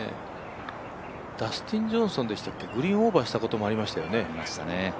ダスティン・ジョンソンでしたっけ、グリーンオーバーしたこともありましたよね。